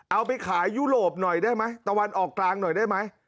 เอาไปขายยุโรปหน่อยได้ไหมตะวันออกกลางหน่อยได้ไหม